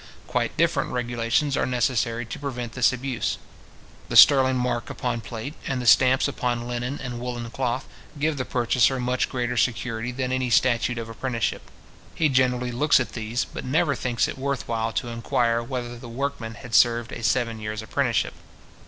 Quite different regulations are necessary to prevent this abuse. The sterling mark upon plate, and the stamps upon linen and woollen cloth, give the purchaser much greater security than any statute of apprenticeship. He generally looks at these, but never thinks it worth while to enquire whether the workman had served a seven years apprenticeship.